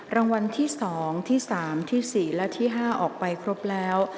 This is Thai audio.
รางวัลที่๒ที่๓ที่๔และที่๕ออกไปครบแล้ว